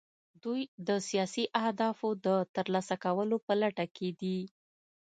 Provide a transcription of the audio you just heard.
دوی د سیاسي اهدافو د ترلاسه کولو په لټه کې دي